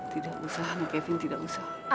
tidak usah kevin tidak usah